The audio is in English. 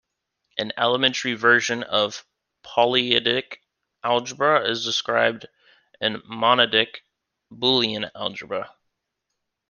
An elementary version of polyadic algebra is described in monadic Boolean algebra.